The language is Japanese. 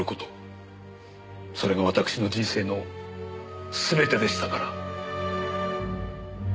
それが私の人生のすべてでしたから。